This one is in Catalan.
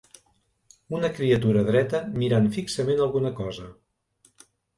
Una criatura dreta mirant fixament alguna cosa.